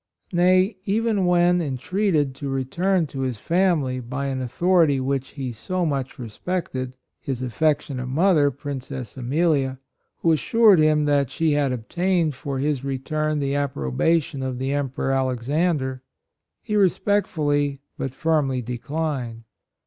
Nay, even when en treated to return to his family, by an authority which he so much respected, his affectionate mother, 8* 86 HIS DEBTS Princess Amelia, who assured him that she had obtained for his return the approbation of the Emperor Alexander, he respectfully but firmly declined.